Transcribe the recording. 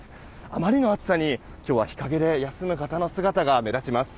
あまりの暑さに今日は日陰で休む方の姿が目立ちます。